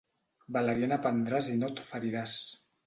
Valeriana prendràs i no et feriràs.